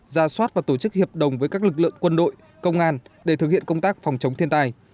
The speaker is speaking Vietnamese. ra soát và tổ chức hiệp đồng với các lực lượng quân đội công an để thực hiện công tác phòng chống thiên tai